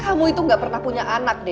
kamu itu gak pernah punya anak deh